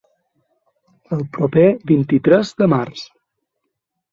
El proper vint-i-tres de març.